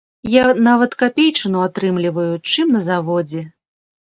Я нават капейчыну атрымліваю, чым на заводзе.